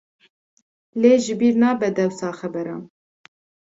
Lê ji bîr nabe dewsa xeberan.